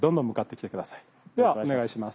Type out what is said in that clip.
ではお願いします。